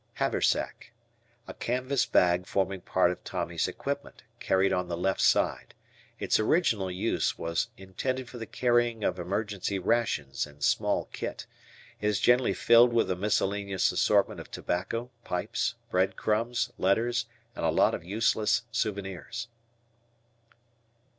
Haversack. A canvas bag forming part of Tommy's equipment, carried on the left side. Its original use was intended for the carrying of emergency rations and small kit. It is generally filled with a miscellaneous assortment of tobacco, pipes, bread crumbs, letters, and a lot of useless souvenirs.